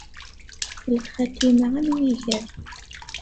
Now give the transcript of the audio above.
Lxatima am yiger.